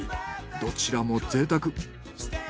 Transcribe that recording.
どちらも贅沢。